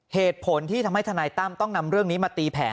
เหตุผลที่ทำให้ทนายตั้มต้องนำเรื่องนี้มาตีแผ่